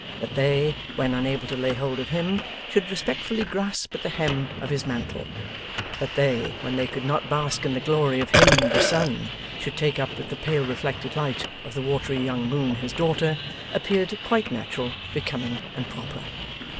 That they, when unable to lay hold of him, should respectfully grasp at the hem of his mantle; that they, when they could not bask in the glory of him the sun, should take up with the pale reflected light of the watery young moon his daughter; appeared quite natural, becoming, and proper.